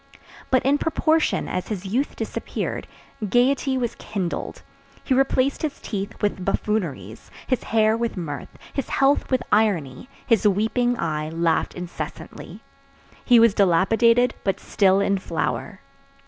But in proportion as his youth disappeared, gayety was kindled; he replaced his teeth with buffooneries, his hair with mirth, his health with irony, his weeping eye laughed incessantly. He was dilapidated but still in flower.